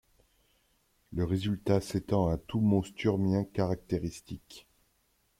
Le résultat s'étend à tout mot Sturmien caractéristique.